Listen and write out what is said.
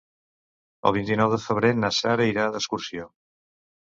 El vint-i-nou de febrer na Sara irà d'excursió.